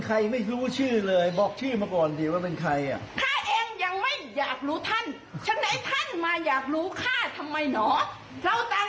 ท่านบอกทุกคนว่าข้านี้เลวสาม